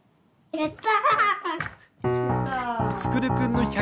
やった！